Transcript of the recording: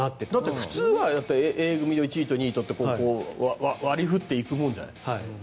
普通はＡ組の１位と２位とって割り振っていくものじゃない。